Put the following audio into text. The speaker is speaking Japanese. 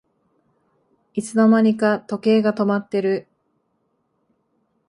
いつの間にか時計が止まってる